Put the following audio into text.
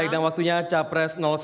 dan waktunya capres satu